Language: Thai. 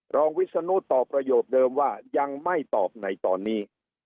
วิศนุตอบประโยคเดิมว่ายังไม่ตอบในตอนนี้